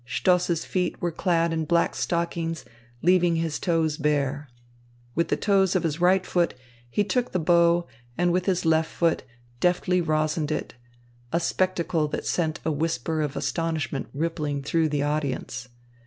Stoss's feet were clad in black stockings leaving his toes bare. With the toes of his right foot, he took the bow and with his left foot, deftly rosined it; a spectacle that sent a whisper of astonishment rippling through the audience.